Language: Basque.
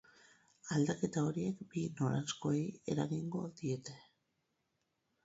Aldaketa horiek bi noranzkoei eragingo diete.